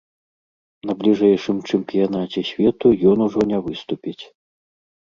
На бліжэйшым чэмпіянаце свету ён ужо не выступіць.